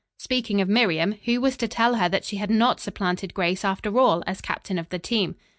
Speaking of Miriam, who was to tell her that she had not supplanted Grace after all, as captain of the team.